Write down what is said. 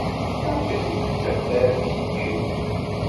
Berkat ur d-ttafet ara tisebbiwin!